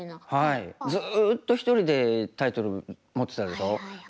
ずっと１人でタイトル持ってたでしょ。